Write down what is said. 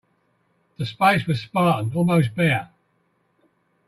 The space was spartan, almost bare.